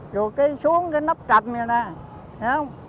rồi cái xuống cái nắp cầm vậy nè hiểu không